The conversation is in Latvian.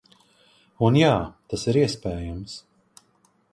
Un, jā, tas ir iespējams.